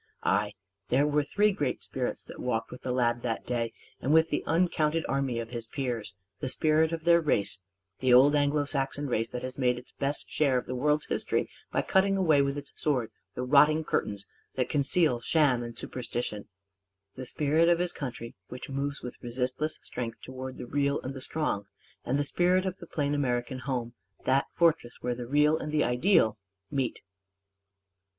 Ay, there were three great spirits that walked with the lad that day and with the uncounted army of his peers; the spirit of their race the old Anglo Saxon race that has made its best share of the world's history by cutting away with its sword the rotting curtains that conceal sham and superstition; the spirit of his country which moves with resistless strength toward the real and the strong; and the spirit of the plain American home that fortress where the real and the ideal meet.